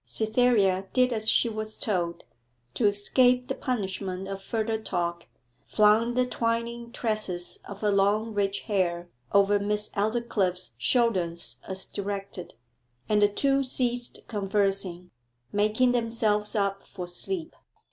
Cytherea did as she was told, to escape the punishment of further talk; flung the twining tresses of her long, rich hair over Miss Aldclyffe's shoulders as directed, and the two ceased conversing, making themselves up for sleep.